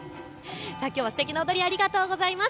きょうはすてきな踊りありがとうございます。